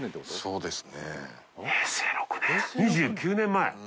そうですね。